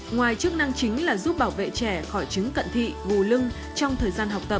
ngoài chức năng chính là giúp bảo vệ trẻ khỏi chứng cận thị gù lưng trong thời gian học tập